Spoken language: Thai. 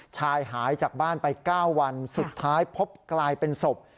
หายจากบ้านไป๙วันสุดท้ายพบกลายเป็นศพ